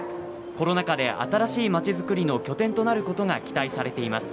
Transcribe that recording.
コロナ禍で新しい街づくりの拠点となることが期待されています。